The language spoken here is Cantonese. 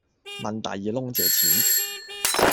問大耳窿借錢